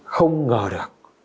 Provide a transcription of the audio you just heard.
không ngờ được